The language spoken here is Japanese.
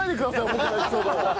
僕のエピソードを！